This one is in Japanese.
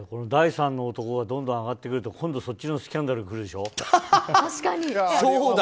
第３の男がどんどん上がってくると今度はそっちのスキャンダルがくるでしょ。